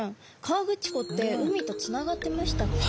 河口湖って海とつながってましたっけ？